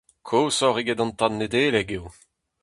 Koshoc'h eget an tad Nedeleg eo.